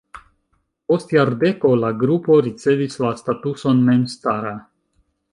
Post jardeko la grupo ricevis la statuson memstara.